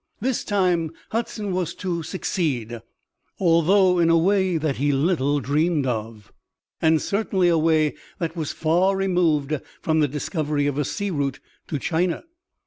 This time Hudson was to succeed, although in a way that he little dreamed of and certainly a way that was far removed from the discovery of a sea route to China.